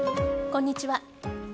こんにちは。